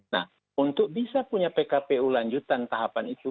nah untuk bisa punya pkpu lanjutan tahapan itu